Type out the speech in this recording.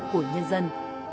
của nhân dân